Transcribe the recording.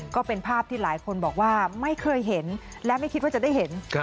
ก็เป็นภาพที่หลายคนบอกว่าไม่เคยเห็นและไม่คิดว่าจะได้เห็น